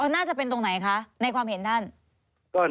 น่าจะเป็นตรงไหนคะในความเห็นท่าน